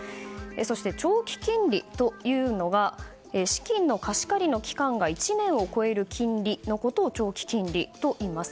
そして長期金利というのが資金の貸し借りの期間が１年を超える金利のことを長期金利といいます。